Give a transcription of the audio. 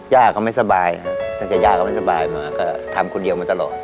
ก็ไม่สบายนะตั้งแต่ย่าก็ไม่สบายมาก็ทำคนเดียวมาตลอด